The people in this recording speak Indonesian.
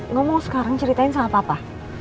ngomong sekarang ceritain sama papa